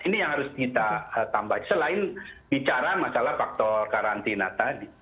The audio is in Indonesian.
ini yang harus kita tambah selain bicara masalah faktor karantina tadi